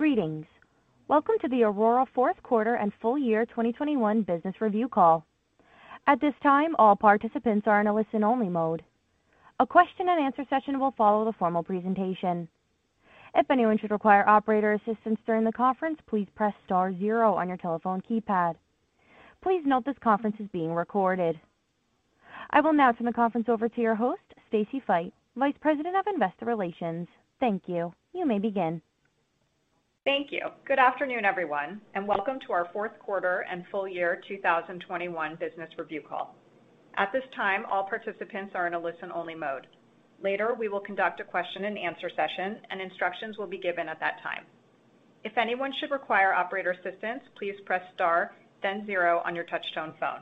Greetings. Welcome to the Aurora Q4 and Full Year 2021 Business Review Call. At this time, all participants are in a listen-only mode. A question and answer session will follow the formal presentation. If anyone should require operator assistance during the conference, please press star zero on your telephone keypad. Please note this conference is being recorded. I will now turn the conference over to your host, Stacy Feit, Vice President of Investor Relations. Thank you. You may begin. Thank you. Good afternoon, everyone, and welcome to our Q4 and Full Year 2021 Business Review Call. At this time, all participants are in a listen-only mode. Later, we will conduct a question and answer session and instructions will be given at that time. If anyone should require operator assistance, please press star then zero on your touch-tone phone.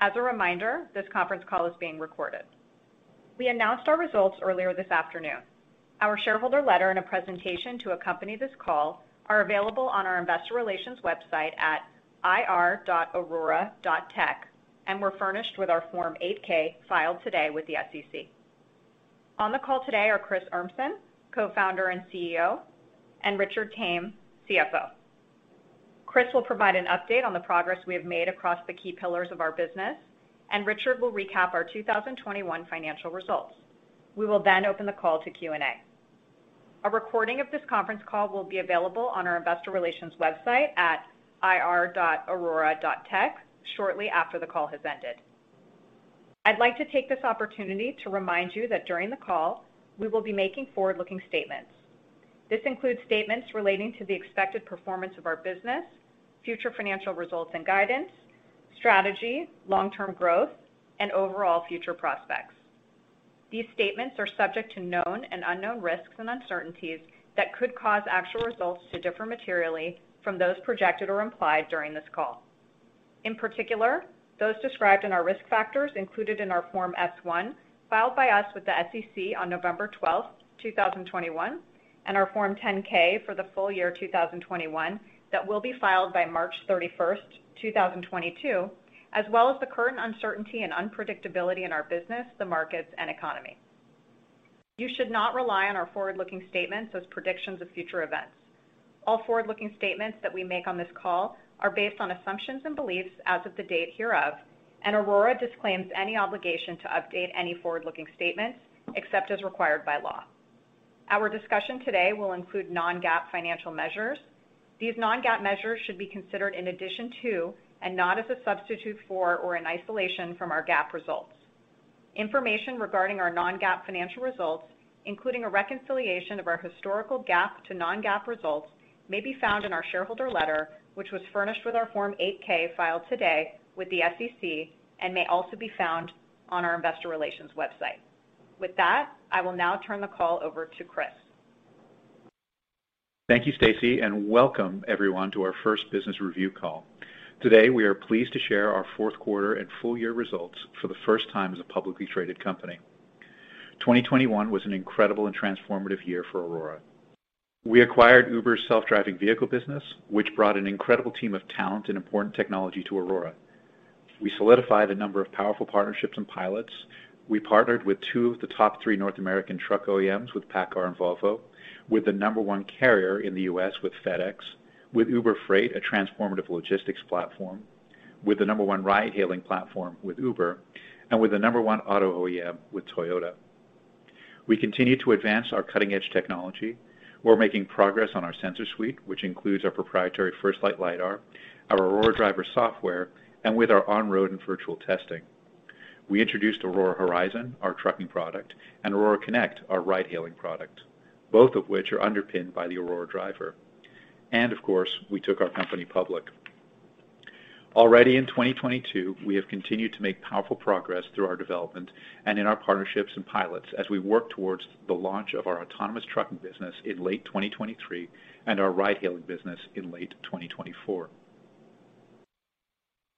As a reminder, this conference call is being recorded. We announced our results earlier this afternoon. Our shareholder letter and a presentation to accompany this call are available on our investor relations website at ir.aurora.tech and were furnished with our Form 8-K filed today with the SEC. On the call today are Chris Urmson, Co-founder and CEO, and Richard Tame, CFO. Chris will provide an update on the progress we have made across the key pillars of our business, and Richard will recap our 2021 financial results. We will then open the call to Q&A. A recording of this conference call will be available on our investor relations website at ir.aurora.tech shortly after the call has ended. I'd like to take this opportunity to remind you that during the call, we will be making forward-looking statements. This includes statements relating to the expected performance of our business, future financial results and guidance, strategy, long-term growth, and overall future prospects. These statements are subject to known and unknown risks and uncertainties that could cause actual results to differ materially from those projected or implied during this call. In particular, those described in our risk factors included in our Form S-1 filed by us with the SEC on 12 November 2021, and our Form 10-K for the full year 2021 that will be filed by 31 March 2022, as well as the current uncertainty and unpredictability in our business, the markets and economy. You should not rely on our forward-looking statements as predictions of future events. All forward-looking statements that we make on this call are based on assumptions and beliefs as of the date hereof, and Aurora disclaims any obligation to update any forward-looking statements except as required by law. Our discussion today will include non-GAAP financial measures. These non-GAAP measures should be considered in addition to and not as a substitute for or in isolation from our GAAP results. Information regarding our non-GAAP financial results, including a reconciliation of our historical GAAP to non-GAAP results, may be found in our shareholder letter, which was furnished with our Form 8-K filed today with the SEC and may also be found on our investor relations website. With that, I will now turn the call over to Chris. Thank you, Stacey, and welcome everyone to our first business review call. Today, we are pleased to share our Q4 and Full Year results for the first time as a publicly traded company. 2021 was an incredible and transformative year for Aurora. We acquired Uber's self-driving vehicle business, which brought an incredible team of talent and important technology to Aurora. We solidified a number of powerful partnerships and pilots. We partnered with two of the top three North American truck OEMs with PACCAR and Volvo, with the No. 1 carrier in the US with FedEx, with Uber Freight, a transformative logistics platform, with the No. 1 ride-hailing platform with Uber, and with the No. 1 auto OEM with Toyota. We continue to advance our cutting-edge technology. We're making progress on our sensor suite, which includes our proprietary FirstLight Lidar, our Aurora Driver software, and with our on-road and virtual testing. We introduced Aurora Horizon, our trucking product, and Aurora Connect, our ride-hailing product, both of which are underpinned by the Aurora Driver. Of course, we took our company public. Already in 2022, we have continued to make powerful progress through our development and in our partnerships and pilots as we work towards the launch of our autonomous trucking business in late 2023 and our ride-hailing business in late 2024.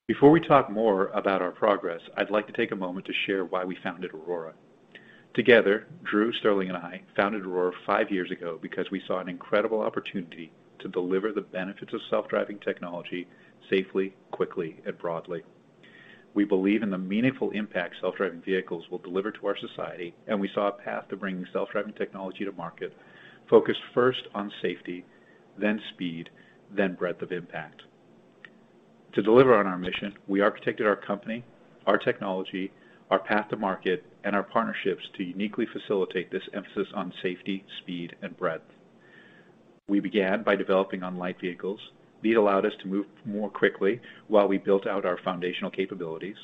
Before we talk more about our progress, I'd like to take a moment to share why we founded Aurora. Together, Drew, Sterling, and I founded Aurora five years ago because we saw an incredible opportunity to deliver the benefits of self-driving technology safely, quickly, and broadly. We believe in the meaningful impact self-driving vehicles will deliver to our society, and we saw a path to bringing self-driving technology to market focused first on safety, then speed, then breadth of impact. To deliver on our mission, we architected our company, our technology, our path to market, and our partnerships to uniquely facilitate this emphasis on safety, speed, and breadth. We began by developing on light vehicles. These allowed us to move more quickly while we built out our foundational capabilities.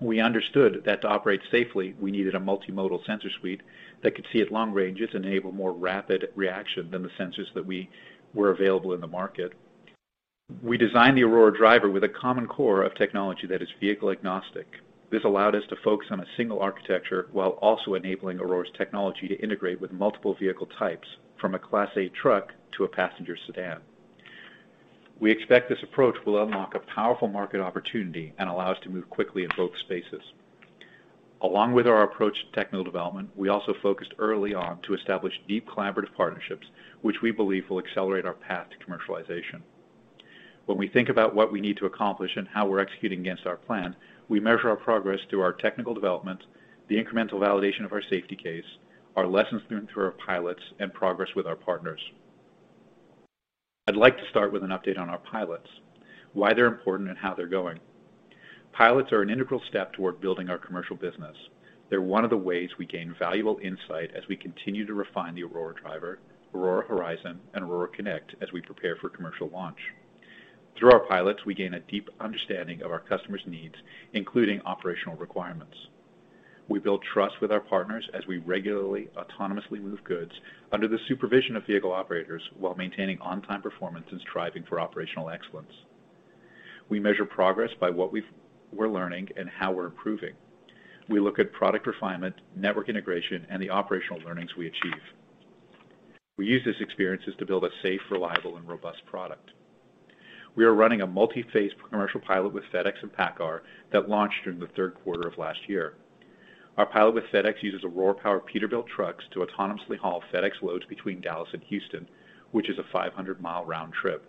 We understood that to operate safely, we needed a multimodal sensor suite that could see at long ranges, enable more rapid reaction than the sensors that were available in the market. We designed the Aurora Driver with a common core of technology that is vehicle agnostic. This allowed us to focus on a single architecture while also enabling Aurora's technology to integrate with multiple vehicle types from a Class 8 truck to a passenger sedan. We expect this approach will unlock a powerful market opportunity and allow us to move quickly in both spaces. Along with our approach to technical development, we also focused early on to establish deep collaborative partnerships which we believe will accelerate our path to commercialization. When we think about what we need to accomplish and how we're executing against our plan, we measure our progress through our technical development, the incremental validation of our safety case, our lessons learned through our pilots, and progress with our partners. I'd like to start with an update on our pilots, why they're important, and how they're going. Pilots are an integral step toward building our commercial business. They're one of the ways we gain valuable insight as we continue to refine the Aurora Driver, Aurora Horizon, and Aurora Connect as we prepare for commercial launch. Through our pilots, we gain a deep understanding of our customers' needs, including operational requirements. We build trust with our partners as we regularly, autonomously move goods under the supervision of vehicle operators while maintaining on-time performance and striving for operational excellence. We measure progress by what we're learning and how we're improving. We look at product refinement, network integration, and the operational learnings we achieve. We use these experiences to build a safe, reliable, and robust product. We are running a multi-phase commercial pilot with FedEx and PACCAR that launched during the Q3 of last year. Our pilot with FedEx uses Aurora-powered Peterbilt trucks to autonomously haul FedEx loads between Dallas and Houston, which is a 500mi round trip.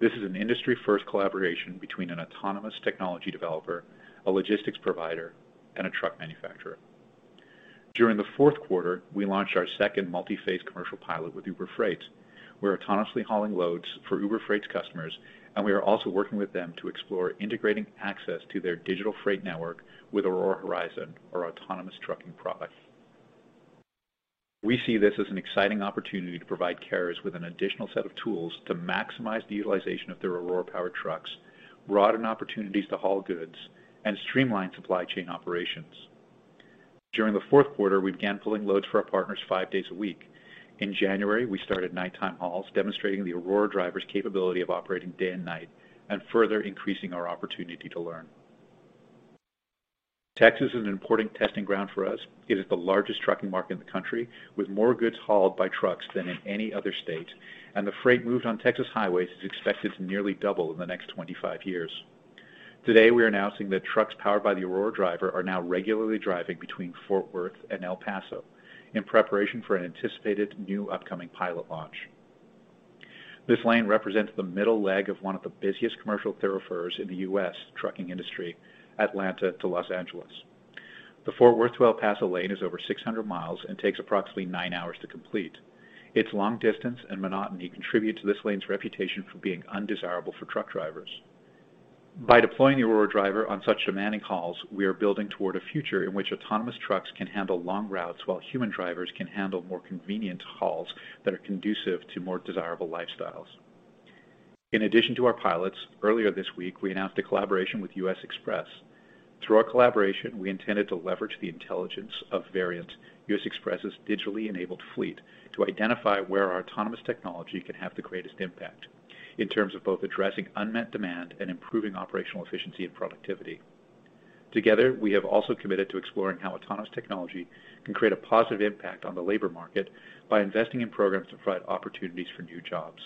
This is an industry-first collaboration between an autonomous technology developer, a logistics provider, and a truck manufacturer. During the Q4, we launched our second multi-phase commercial pilot with Uber Freight. We're autonomously hauling loads for Uber Freight's customers, and we are also working with them to explore integrating access to their digital freight network with Aurora Horizon, our autonomous trucking product. We see this as an exciting opportunity to provide carriers with an additional set of tools to maximize the utilization of their Aurora-powered trucks, broaden opportunities to haul goods, and streamline supply chain operations. During the Q4, we began pulling loads for our partners five days a week. In January, we started nighttime hauls, demonstrating the Aurora Driver's capability of operating day and night and further increasing our opportunity to learn. Texas is an important testing ground for us. It is the largest trucking market in the country, with more goods hauled by trucks than in any other state, and the freight moved on Texas highways is expected to nearly double in the next 25 years. Today, we are announcing that trucks powered by the Aurora Driver are now regularly driving between Fort Worth and El Paso in preparation for an anticipated new upcoming pilot launch. This lane represents the middle leg of one of the busiest commercial thoroughfares in the US trucking industry, Atlanta to Los Angeles. The Fort Worth to El Paso lane is over 600mi and takes approximately nine hours to complete. Its long distance and monotony contribute to this lane's reputation for being undesirable for truck drivers. By deploying the Aurora Driver on such demanding hauls, we are building toward a future in which autonomous trucks can handle long routes while human drivers can handle more convenient hauls that are conducive to more desirable lifestyles. In addition to our pilots, earlier this week, we announced a collaboration with US Xpress. Through our collaboration, we intended to leverage the intelligence of Variant, US Xpress's digitally enabled fleet, to identify where our autonomous technology can have the greatest impact in terms of both addressing unmet demand and improving operational efficiency and productivity. Together, we have also committed to exploring how autonomous technology can create a positive impact on the labor market by investing in programs to provide opportunities for new jobs.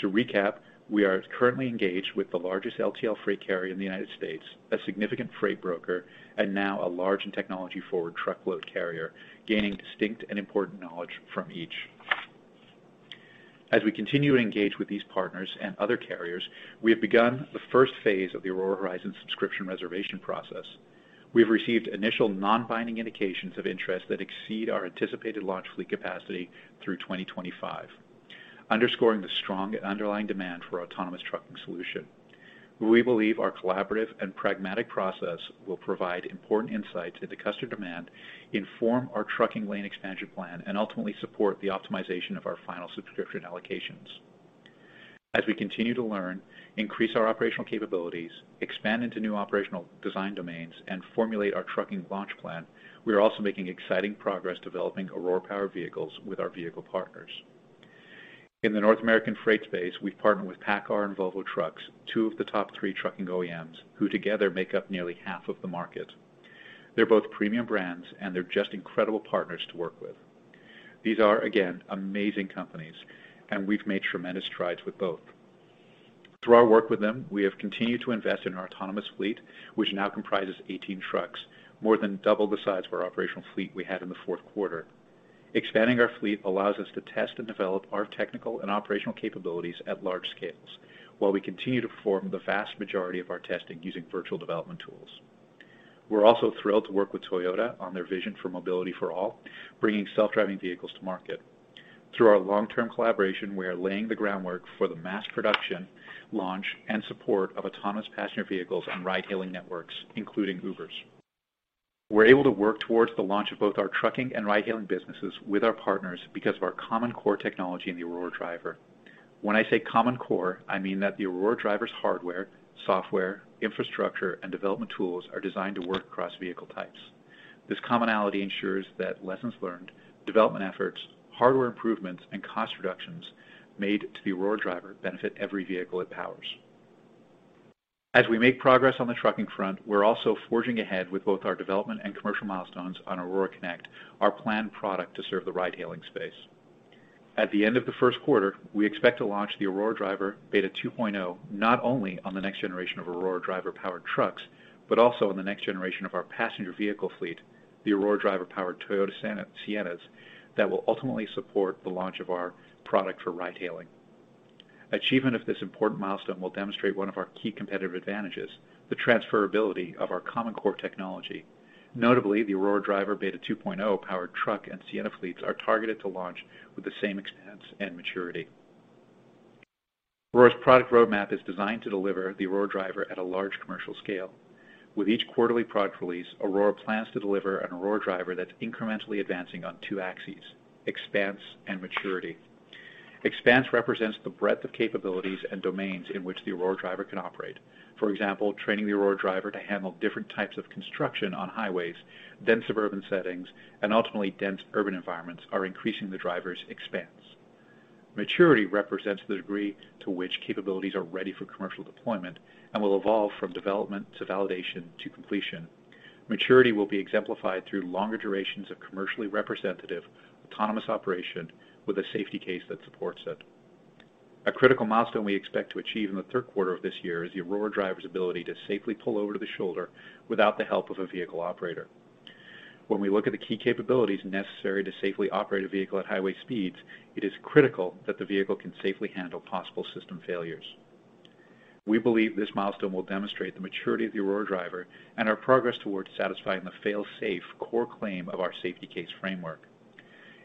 To recap, we are currently engaged with the largest LTL freight carrier in the United States, a significant freight broker, and now a large and technology-forward truckload carrier, gaining distinct and important knowledge from each. As we continue to engage with these partners and other carriers, we have begun the first phase of the Aurora Horizon subscription reservation process. We have received initial non-binding indications of interest that exceed our anticipated launch fleet capacity through 2025, underscoring the strong underlying demand for our autonomous trucking solution. We believe our collaborative and pragmatic process will provide important insights into customer demand, inform our trucking lane expansion plan, and ultimately support the optimization of our final subscription allocations. As we continue to learn, increase our operational capabilities, expand into new operational design domains, and formulate our trucking launch plan, we are also making exciting progress developing Aurora-powered vehicles with our vehicle partners. In the North American freight space, we partner with PACCAR and Volvo Trucks, two of the top three trucking OEMs, who together make up nearly half of the market. They're both premium brands, and they're just incredible partners to work with. These are, again, amazing companies, and we've made tremendous strides with both. Through our work with them, we have continued to invest in our autonomous fleet, which now comprises 18 trucks, more than double the size of our operational fleet we had in the Q4. Expanding our fleet allows us to test and develop our technical and operational capabilities at large scales while we continue to form the vast majority of our testing using virtual development tools. We're also thrilled to work with Toyota on their vision for mobility for all, bringing self-driving vehicles to market. Through our long-term collaboration, we are laying the groundwork for the mass production, launch, and support of autonomous passenger vehicles on ride-hailing networks, including Uber's. We're able to work towards the launch of both our trucking and ride-hailing businesses with our partners because of our common core technology in the Aurora Driver. When I say common core, I mean that the Aurora Driver's hardware, software, infrastructure, and development tools are designed to work across vehicle types. This commonality ensures that lessons learned, development efforts, hardware improvements, and cost reductions made to the Aurora Driver benefit every vehicle it powers. As we make progress on the trucking front, we're also forging ahead with both our development and commercial milestones on Aurora Connect, our planned product to serve the ride-hailing space. At the end of the Q1, we expect to launch the Aurora Driver Beta 2.0, not only on the next generation of Aurora Driver-powered trucks, but also on the next generation of our passenger vehicle fleet, the Aurora Driver-powered Toyota Siennas, that will ultimately support the launch of our product for ride hailing. Achievement of this important milestone will demonstrate one of our key competitive advantages, the transferability of our common core technology. Notably, the Aurora Driver Beta 2.0 powered truck and Sienna fleets are targeted to launch with the same expanse and maturity. Aurora's product roadmap is designed to deliver the Aurora Driver at a large commercial scale. With each quarterly product release, Aurora plans to deliver an Aurora Driver that's incrementally advancing on two axes, expanse and maturity. Expanse represents the breadth of capabilities and domains in which the Aurora Driver can operate. For example, training the Aurora Driver to handle different types of construction on highways, dense suburban settings, and ultimately dense urban environments are increasing the driver's expanse. Maturity represents the degree to which capabilities are ready for commercial deployment and will evolve from development to validation to completion. Maturity will be exemplified through longer durations of commercially representative autonomous operation with a safety case that supports it. A critical milestone we expect to achieve in the Q3 of this year is the Aurora Driver's ability to safely pull over to the shoulder without the help of a vehicle operator. When we look at the key capabilities necessary to safely operate a vehicle at highway speeds, it is critical that the vehicle can safely handle possible system failures. We believe this milestone will demonstrate the maturity of the Aurora Driver and our progress towards satisfying the fail-safe core claim of our safety case framework.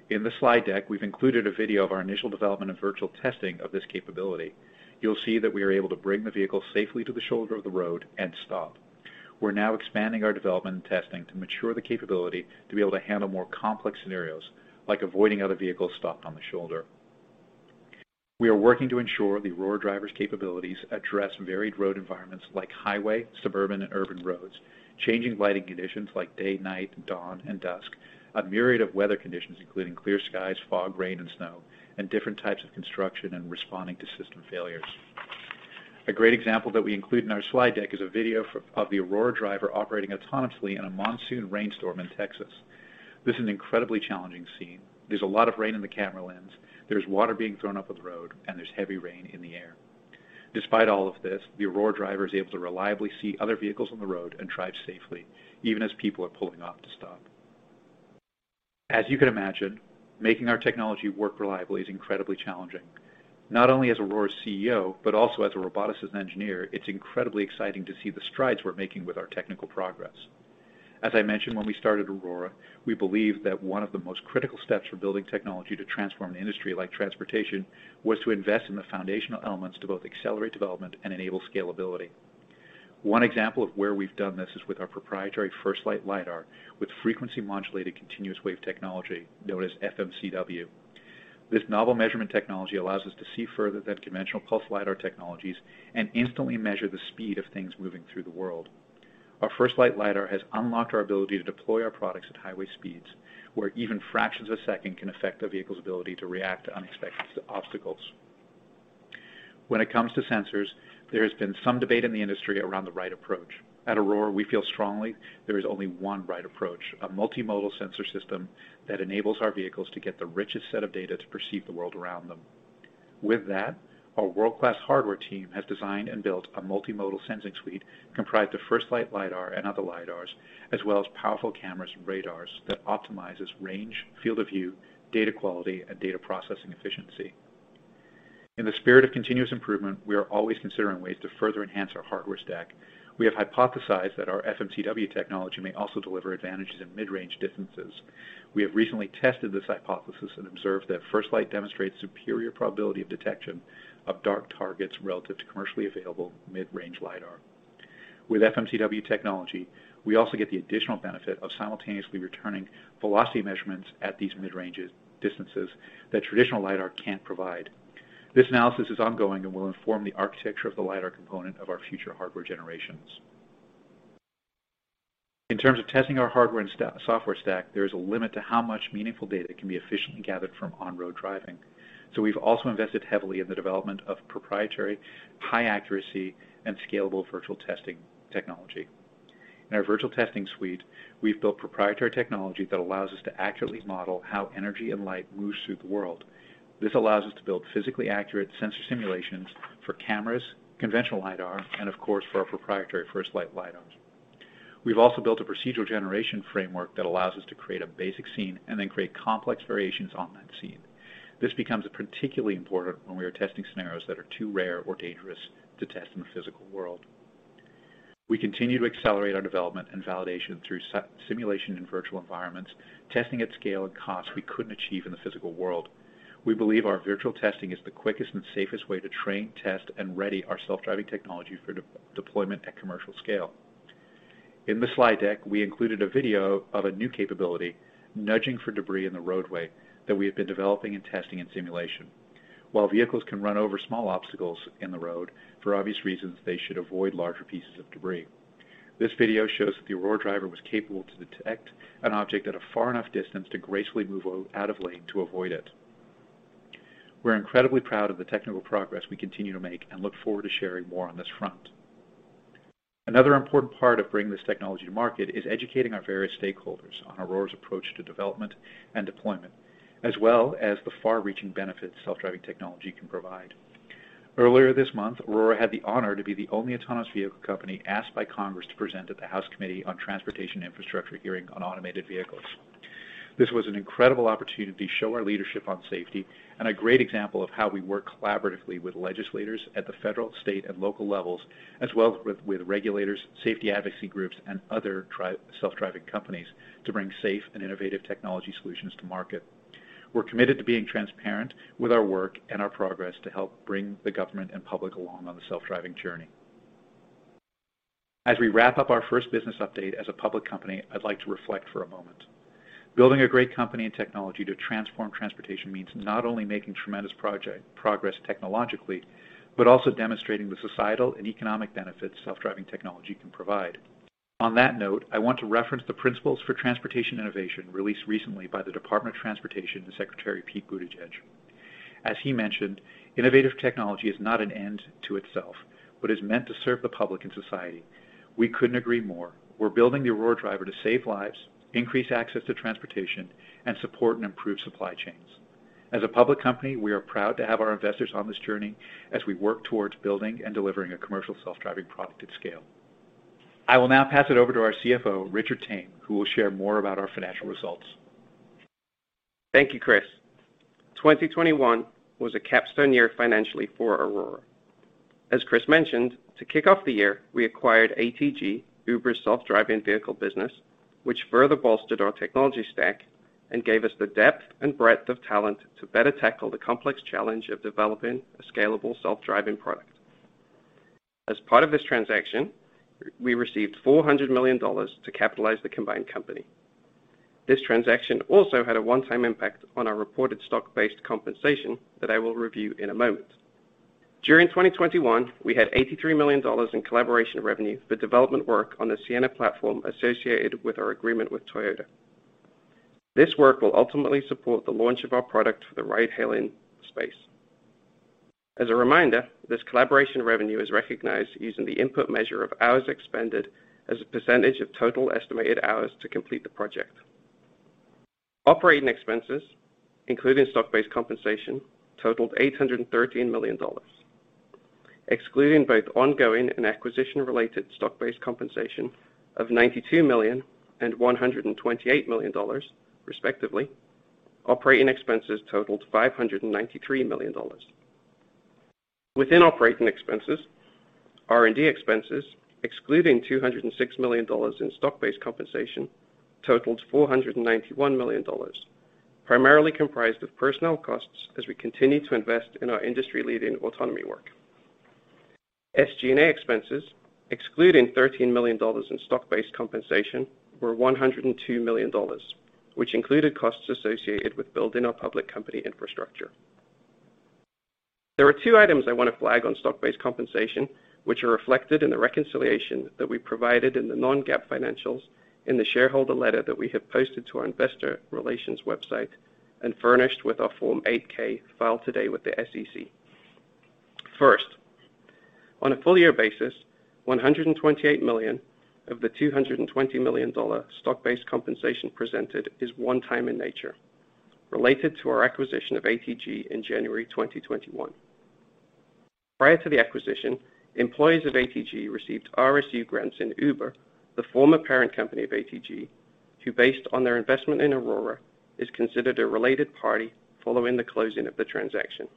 In the slide deck, we've included a video of our initial development and virtual testing of this capability. You'll see that we are able to bring the vehicle safely to the shoulder of the road and stop. We're now expanding our development and testing to mature the capability to be able to handle more complex scenarios, like avoiding other vehicles stopped on the shoulder. We are working to ensure the Aurora Driver's capabilities address varied road environments like highway, suburban, and urban roads, changing lighting conditions like day, night, dawn, and dusk, a myriad of weather conditions, including clear skies, fog, rain, and snow, and different types of construction and responding to system failures. A great example that we include in our slide deck is a video of the Aurora Driver operating autonomously in a monsoon rainstorm in Texas. This is an incredibly challenging scene. There's a lot of rain in the camera lens, there's water being thrown up on the road, and there's heavy rain in the air. Despite all of this, the Aurora Driver is able to reliably see other vehicles on the road and drive safely, even as people are pulling off to stop. As you can imagine, making our technology work reliably is incredibly challenging. Not only as Aurora's CEO, but also as a roboticist and engineer, it's incredibly exciting to see the strides we're making with our technical progress. As I mentioned when we started Aurora, we believe that one of the most critical steps for building technology to transform an industry like transportation was to invest in the foundational elements to both accelerate development and enable scalability. One example of where we've done this is with our proprietary FirstLight Lidar with frequency modulated continuous wave technology, known as FMCW. This novel measurement technology allows us to see further than conventional pulse lidar technologies and instantly measure the speed of things moving through the world. Our FirstLight Lidar has unlocked our ability to deploy our products at highway speeds, where even fractions of a second can affect a vehicle's ability to react to unexpected obstacles. When it comes to sensors, there has been some debate in the industry around the right approach. At Aurora, we feel strongly there is only one right approach, a multimodal sensor system that enables our vehicles to get the richest set of data to perceive the world around them. With that, our world-class hardware team has designed and built a multimodal sensing suite comprised of FirstLight Lidar and other lidars, as well as powerful cameras and radars that optimizes range, field of view, data quality, and data processing efficiency. In the spirit of continuous improvement, we are always considering ways to further enhance our hardware stack. We have hypothesized that our FMCW technology may also deliver advantages in mid-range distances. We have recently tested this hypothesis and observed that FirstLight Lidar demonstrates superior probability of detection of dark targets relative to commercially available mid-range lidar. With FMCW technology, we also get the additional benefit of simultaneously returning velocity measurements at these mid-range distances that traditional lidar can't provide. This analysis is ongoing and will inform the architecture of the lidar component of our future hardware generations. In terms of testing our hardware and software stack, there is a limit to how much meaningful data can be efficiently gathered from on-road driving. We've also invested heavily in the development of proprietary, high accuracy, and scalable virtual testing technology. In our virtual testing suite, we've built proprietary technology that allows us to accurately model how energy and light moves through the world. This allows us to build physically accurate sensor simulations for cameras, conventional lidar, and of course, for our proprietary FirstLight Lidars. We've also built a procedural generation framework that allows us to create a basic scene and then create complex variations on that scene. This becomes particularly important when we are testing scenarios that are too rare or dangerous to test in the physical world. We continue to accelerate our development and validation through simulation and virtual environments, testing at scale and cost we couldn't achieve in the physical world. We believe our virtual testing is the quickest and safest way to train, test, and ready our self-driving technology for deployment at commercial scale. In the slide deck, we included a video of a new capability, nudging for debris in the roadway, that we have been developing and testing in simulation. While vehicles can run over small obstacles in the road, for obvious reasons, they should avoid larger pieces of debris. This video shows that the Aurora Driver was capable to detect an object at a far enough distance to gracefully move out of lane to avoid it. We're incredibly proud of the technical progress we continue to make and look forward to sharing more on this front. Another important part of bringing this technology to market is educating our various stakeholders on Aurora's approach to development and deployment, as well as the far-reaching benefits self-driving technology can provide. Earlier this month, Aurora had the honor to be the only autonomous vehicle company asked by Congress to present at the House Committee on Transportation and Infrastructure hearing on automated vehicles. This was an incredible opportunity to show our leadership on safety and a great example of how we work collaboratively with legislators at the federal, state, and local levels, as well with regulators, safety advocacy groups, and other self-driving companies to bring safe and innovative technology solutions to market. We're committed to being transparent with our work and our progress to help bring the government and public along on the self-driving journey. As we wrap up our first business update as a public company, I'd like to reflect for a moment. Building a great company and technology to transform transportation means not only making tremendous progress technologically, but also demonstrating the societal and economic benefits self-driving technology can provide. On that note, I want to reference the principles for transportation innovation released recently by the Department of Transportation and Secretary Pete Buttigieg. As he mentioned, innovative technology is not an end to itself, but is meant to serve the public and society. We couldn't agree more. We're building the Aurora Driver to save lives, increase access to transportation, and support and improve supply chains. As a public company, we are proud to have our investors on this journey as we work towards building and delivering a commercial self-driving product at scale. I will now pass it over to our CFO, Richard Tame, who will share more about our financial results. Thank you, Chris. 2021 was a capstone year financially for Aurora. As Chris mentioned, to kick off the year, we acquired ATG, Uber's self-driving vehicle business, which further bolstered our technology stack and gave us the depth and breadth of talent to better tackle the complex challenge of developing a scalable self-driving product. As part of this transaction, we received $400 million to capitalize the combined company. This transaction also had a one-time impact on our reported stock-based compensation that I will review in a moment. During 2021, we had $83 million in collaboration revenue for development work on the Sienna platform associated with our agreement with Toyota. This work will ultimately support the launch of our product for the ride-hailing space. As a reminder, this collaboration revenue is recognized using the input measure of hours expended as a percentage of total estimated hours to complete the project. Operating expenses, including stock-based compensation, totaled $813 million. Excluding both ongoing and acquisition-related stock-based compensation of $92 million and $128 million respectively, operating expenses totaled $593 million. Within operating expenses, R&D expenses, excluding $206 million in stock-based compensation, totaled $491 million, primarily comprised of personnel costs as we continue to invest in our industry-leading autonomy work. SG&A expenses, excluding $13 million in stock-based compensation, were $102 million, which included costs associated with building our public company infrastructure. There are two items I wanna flag on stock-based compensation, which are reflected in the reconciliation that we provided in the non-GAAP financials in the shareholder letter that we have posted to our investor relations website and furnished with our Form 8-K filed today with the SEC. First, on a full year basis, $128 million of the $220 million stock-based compensation presented is one-time in nature, related to our acquisition of ATG in January 2021. Prior to the acquisition, employees of ATG received RSU grants in Uber, the former parent company of ATG, who based on their investment in Aurora, is considered a related party following the closing of the transaction.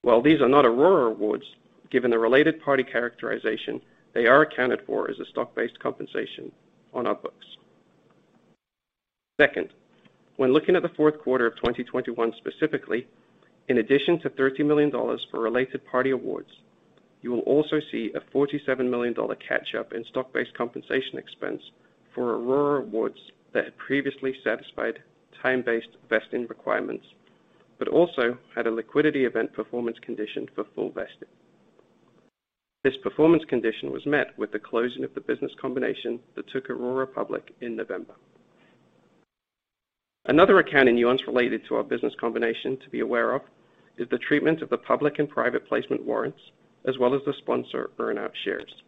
While these are not Aurora awards, given the related party characterization, they are accounted for as a stock-based compensation on our books. Second, when looking at the Q4 of 2021 specifically, in addition to $30 million for related party awards, you will also see a $47 million catch up in stock-based compensation expense for Aurora awards that had previously satisfied time-based vesting requirements but also had a liquidity event performance condition for full vesting. This performance condition was met with the closing of the business combination that took Aurora public in November. Another accounting nuance related to our business combination to be aware of is the treatment of the public and private placement warrants, as well as the sponsor earn-out shares.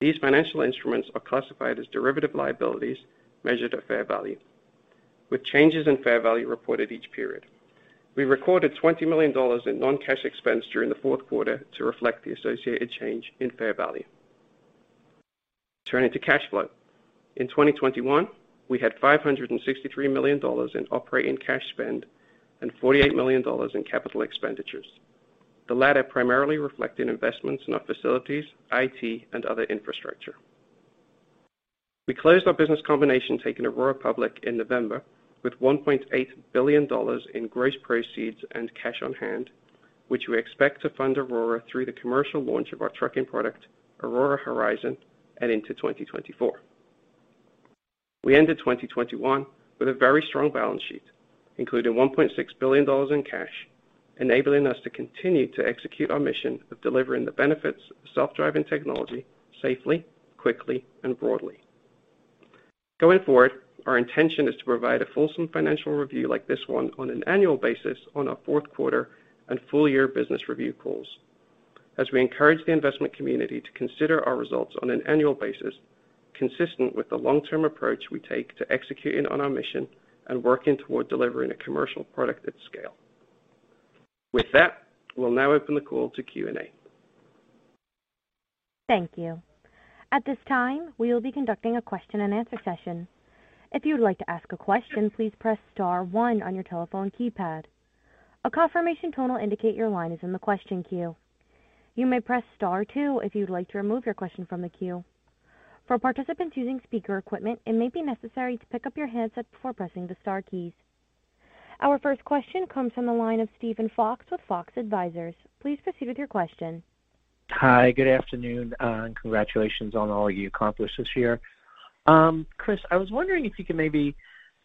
These financial instruments are classified as derivative liabilities measured at fair value with changes in fair value reported each period. We recorded $20 million in non-cash expense during the Q4 to reflect the associated change in fair value. Turning to cash flow. In 2021, we had $563 million in operating cash spend and $48 million in capital expenditures, the latter primarily reflecting investments in our facilities, IT, and other infrastructure. We closed our business combination taking Aurora public in November with $1.8 billion in gross proceeds and cash on hand, which we expect to fund Aurora through the commercial launch of our trucking product, Aurora Horizon, and into 2024. We ended 2021 with a very strong balance sheet, including $1.6 billion in cash, enabling us to continue to execute our mission of delivering the benefits of self-driving technology safely, quickly, and broadly. Going forward, our intention is to provide a fulsome financial review like this one on an annual basis on our Q4 and full year business review calls as we encourage the investment community to consider our results on an annual basis, consistent with the long-term approach we take to executing on our mission and working toward delivering a commercial product at scale. With that, we'll now open the call to Q&A. Thank you. At this time, we will be conducting a question and answer session. If you'd like to ask a question, please press star one on your telephone keypad. A confirmation tone will indicate your line is in the question queue. You may press star two if you'd like to remove your question from the queue. For participants using speaker equipment, it may be necessary to pick up your headset before pressing the star keys. Our first question comes from the line of Steven Fox with Fox Advisors. Please proceed with your question. Hi. Good afternoon. Congratulations on all you accomplished this year. Chris, I was wondering if you could maybe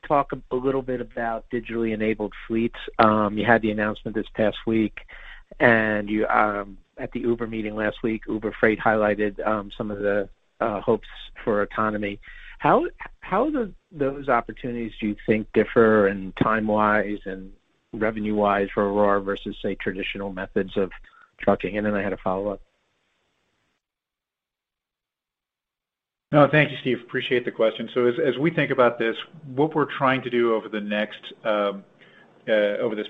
talk a little bit about digitally enabled fleets. You had the announcement this past week, and you at the Uber meeting last week, Uber Freight highlighted some of the hopes for economy. How do those opportunities do you think differ in timewise and revenue-wise for Aurora versus, say, traditional methods of trucking? I had a follow-up. No, thank you, Steven. Appreciate the question. As we think about this, what we're trying to do over this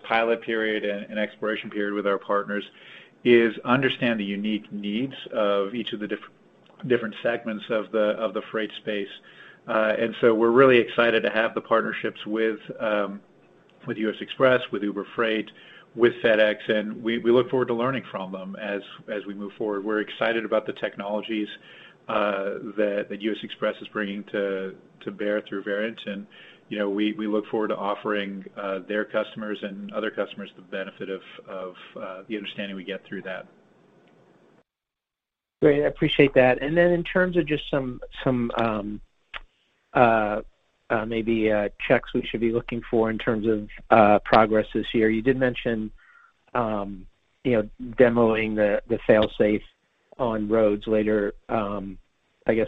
pilot period and exploration period with our partners is understand the unique needs of each of the different segments of the freight space. We're really excited to have the partnerships with US Xpress, with Uber Freight, with FedEx, and we look forward to learning from them as we move forward. We're excited about the technologies that US Xpress is bringing to bear through Variant. We look forward to offering their customers and other customers the benefit of the understanding we get through that. Great. I appreciate that. In terms of just some maybe checks we should be looking for in terms of progress this year, you did mention demoing the fail-safe on roads later I guess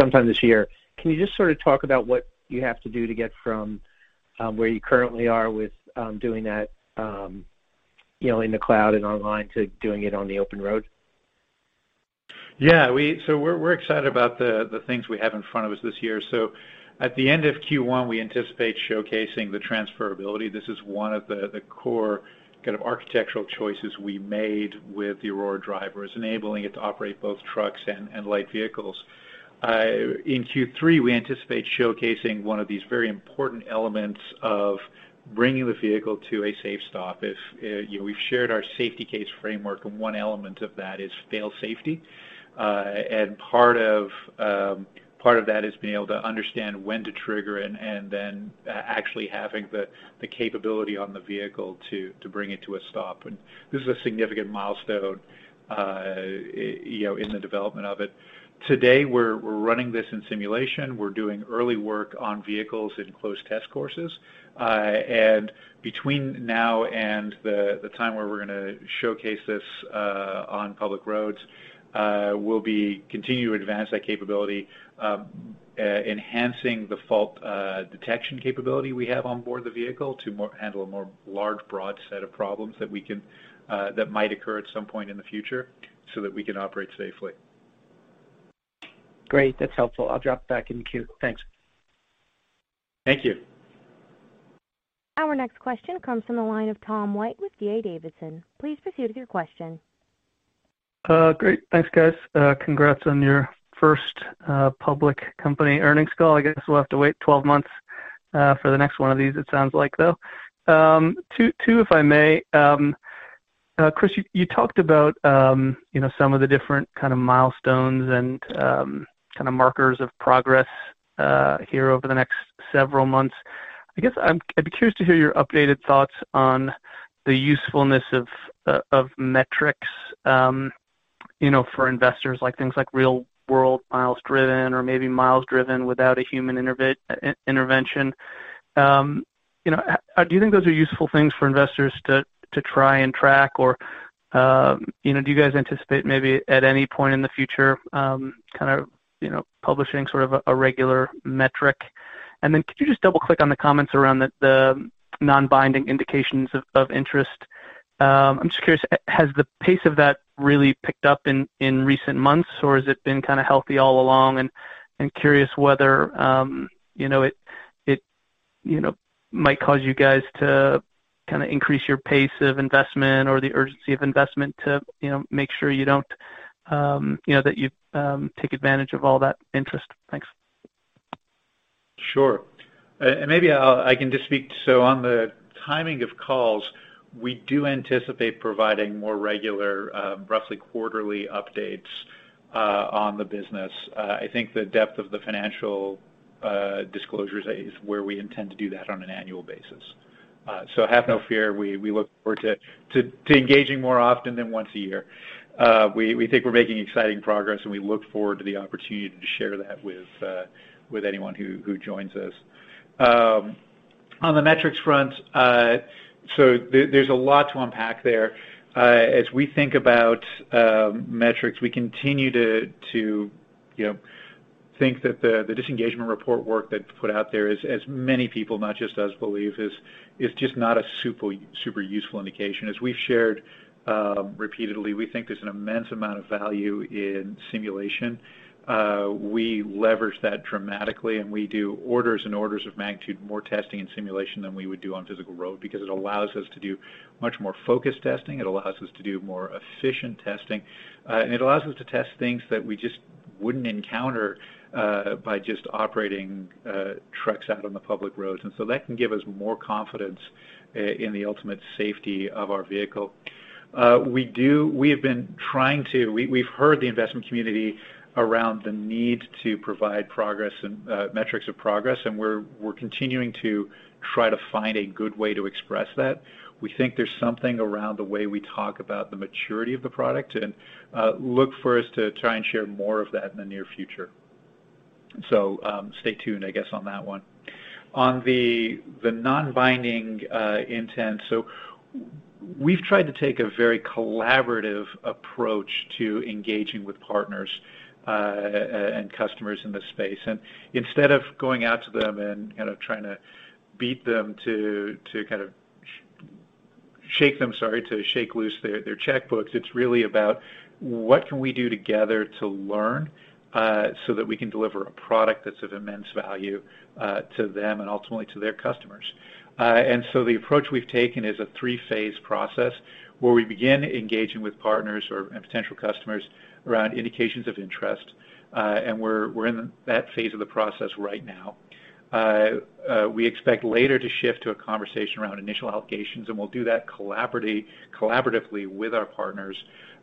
sometime this year. Can you just talk about what you have to do to get from where you currently are with doing that in the cloud and online to doing it on the open road? We're excited about the things we have in front of us this year. At the end of Q1, we anticipate showcasing the transferability. This is one of the core architectural choices we made with the Aurora Driver, enabling it to operate both trucks and light vehicles. In Q3, we anticipate showcasing one of these very important elements of bringing the vehicle to a safe stop. We've shared our safety case framework and one element of that is fail-safety. Part of that is being able to understand when to trigger and then actually having the capability on the vehicle to bring it to a stop. This is a significant milestone, in the development of it. Today, we're running this in simulation. We're doing early work on vehicles in closed test courses. Between now and the time where we're gonna showcase this on public roads, we'll be continuing to advance that capability, enhancing the fault detection capability we have on board the vehicle to more handle a more large, broad set of problems that might occur at some point in the future so that we can operate safely. Great. That's helpful. I'll drop back in the queue. Thanks. Thank you. Our next question comes from the line of Tom White with D.A. Davidson. Please proceed with your question. Great. Thanks, guys. Congrats on your first public company earnings call. I guess we'll have to wait 12 months for the next one of these, it sounds like, though. Two, if I may. Chris, you talked about, some of the different kind of milestones and markers of progress here over the next several months. I'd be curious to hear your updated thoughts on the usefulness of metrics, for investors, like things like real-world miles driven or maybe miles driven without a human intervention. Do you think those are useful things for investors to try and track or, do you guys anticipate maybe at any point in the future, kind of, publishing sort of a regular metric? Then could you just double-click on the comments around thenon-binding indications of interest? I'm just curious, has the pace of that really picked up in in recent months or has it been kinda healthy all along? Curious whether, it might cause you guys to increase your pace of investment or the urgency of investment to, make sure that you take advantage of all that interest. Thanks. Sure. I can just speak, so on the timing of calls, we do anticipate providing more regular, roughly quarterly updates on the business. I think the depth of the financial disclosures is where we intend to do that on an annual basis. Have no fear, we look forward to engaging more often than once a year. We think we're making exciting progress, and we look forward to the opportunity to share that with anyone who joins us. On the metrics front, there's a lot to unpack there. As we think about metrics, we continue to think that the disengagement report work that's put out there is, as many people not just us believe, just not a super useful indication. As we've shared repeatedly, we think there's an immense amount of value in simulation. We leverage that dramatically, and we do orders of magnitude more testing and simulation than we would do on physical road because it allows us to do much more focused testing, it allows us to do more efficient testing, and it allows us to test things that we just wouldn't encounter by just operating trucks out on the public roads. That can give us more confidence in the ultimate safety of our vehicle. We've heard the investment community around the need to provide progress and metrics of progress, and we're continuing to try to find a good way to express that. We think there's something around the way we talk about the maturity of the product and look for us to try and share more of that in the near future. Stay tuned, on that one. On the non-binding intent. We've tried to take a very collaborative approach to engaging with partners and customers in this space. Instead of going out to them and trying to beat them to shake loose their checkbooks, it's really about what can we do together to learn so that we can deliver a product that's of immense value to them and ultimately to their customers. The approach we've taken is a three-phase process where we begin engaging with partners and potential customers around indications of interest, and we're in that phase of the process right now. We expect later to shift to a conversation around initial allocations, and we'll do that collaboratively with our partners,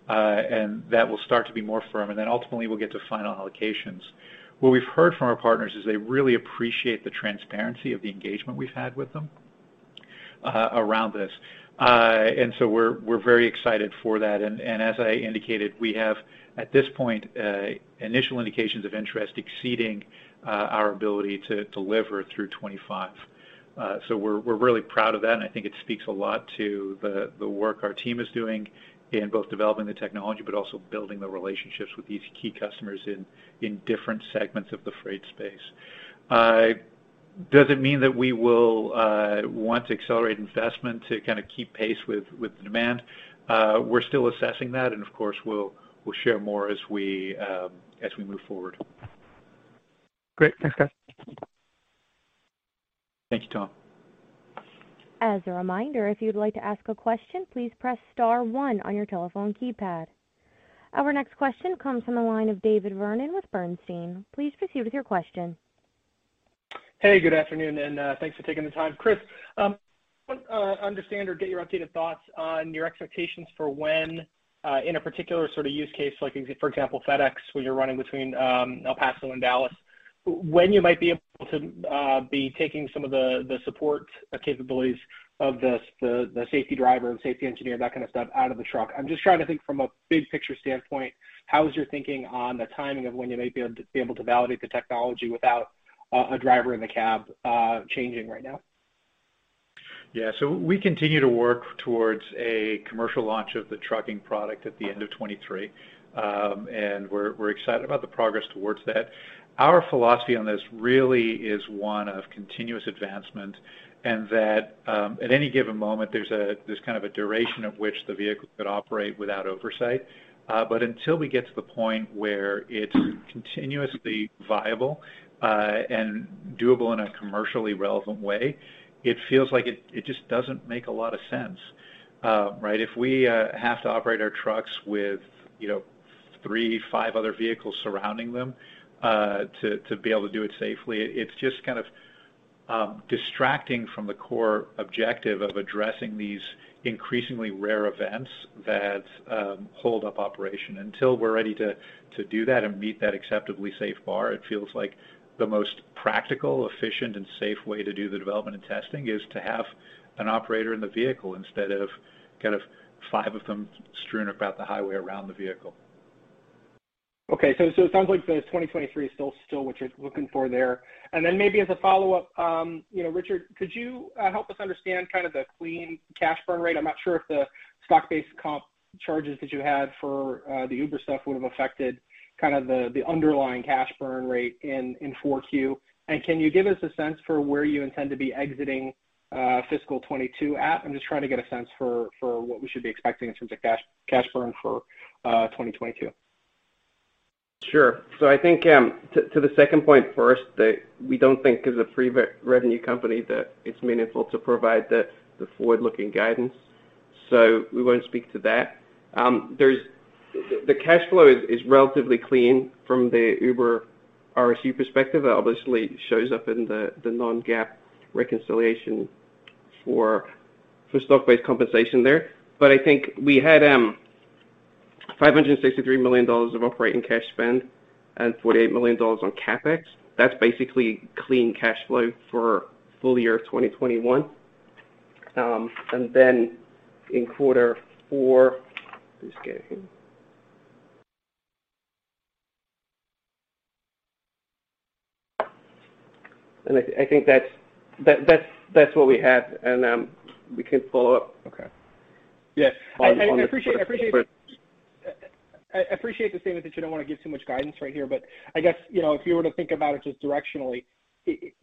and that will start to be more firm, and then ultimately we'll get to final allocations. What we've heard from our partners is they really appreciate the transparency of the engagement we've had with them around this. We're very excited for that. As I indicated, we have, at this point, initial indications of interest exceeding our ability to deliver through 2025. We're really proud of that, and I think it speaks a lot to the work our team is doing in both developing the technology but also building the relationships with these key customers in different segments of the freight space. Does it mean that we will want to accelerate investment to kinda keep pace with demand? We're still assessing that, and of course, we'll share more as we move forward. Great. Thanks, guys. Thank you, Tom. As a reminder, if you'd like to ask a question, please press star one on your telephone keypad. Our next question comes from the line of David Vernon with Bernstein. Please proceed with your question. Hey, good afternoon, and thanks for taking the time. Chris, I want to understand or get your updated thoughts on your expectations for when, in a particular use case, like for example, FedEx, where you're running between El Paso and Dallas, when you might be able to be taking some of the support capabilities of the safety driver and safety engineer, that kind of stuff, out of the truck. I'm just trying to think from a big picture standpoint, how is your thinking on the timing of when you might be able to validate the technology without a driver in the cab changing right now? Yeah. We continue to work towards a commercial launch of the trucking product at the end of 2023, and we're excited about the progress towards that. Our philosophy on this really is one of continuous advancement and that at any given moment, there's a duration of which the vehicle could operate without oversight. Until we get to the point where it's continuously viable and doable in a commercially relevant way, it feels like it just doesn't make a lot of sense, right? If we have to operate our trucks with, three, five other vehicles surrounding them to be able to do it safely, it's just distracting from the core objective of addressing these increasingly rare events that hold up operation. Until we're ready to do that and meet that acceptably safe bar, it feels like the most practical, efficient, and safe way to do the development and testing is to have an operator in the vehicle instead of five of them strewn about the highway around the vehicle. Okay. It sounds like the 2023 is still what you're looking for there. Then maybe as a follow-up, Richard, could you help us understand the clean cash burn rate? I'm not sure if the stock-based comp charges that you had for the Uber stuff would have affected the underlying cash burn rate in 4Q. Can you give us a sense for where you intend to be exiting fiscal 2022 at? I'm just trying to get a sense for what we should be expecting in terms of cash burn for 2022. Sure. I think to the second point first, that we don't think as a pre-revenue company that it's meaningful to provide the forward-looking guidance. We won't speak to that. The cash flow is relatively clean from the Uber RSU perspective. That obviously shows up in the non-GAAP reconciliation for stock-based compensation there. I think we had $563 million of operating cash spend and $48 million on CapEx. That's basically clean cash flow for full year 2021. Then in Q4. Just getting here. I think that's what we had, and we can follow up. Okay. Yes. [inaudible] I appreciate the statement that you don't wanna give too much guidance right here, but if you were to think about it just directionally,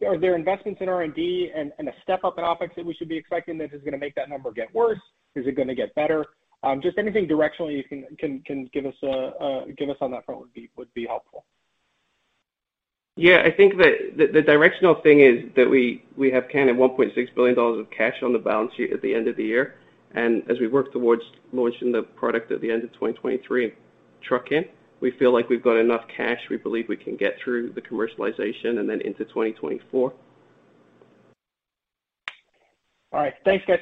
are there investments in R&D and a step up in OpEx that we should be expecting that is gonna make that number get worse? Is it gonna get better? Just anything directionally, you can give us on that front would be helpful. Yeah. I think the directional thing is that we have $1.6 billion of cash on the balance sheet at the end of the year. As we work towards launching the product at the end of 2023 in trucking, we feel like we've got enough cash we believe we can get through the commercialization and then into 2024. All right. Thanks, guys.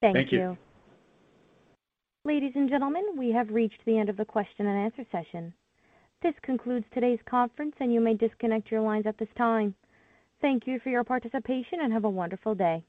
Thank you. Thank you. Ladies and gentlemen, we have reached the end of the question and answer session. This concludes today's conference, and you may disconnect your lines at this time. Thank you for your participation, and have a wonderful day.